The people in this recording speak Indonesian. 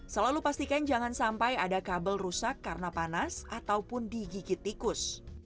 selalu pastikan jangan sampai ada kabel rusak karena panas ataupun digigit tikus